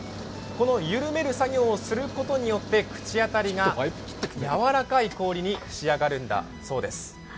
この緩める作業をすることによって口当たりが柔らかい氷に仕上がるんだそうです。